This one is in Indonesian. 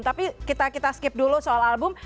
tapi kita skip dulu soal album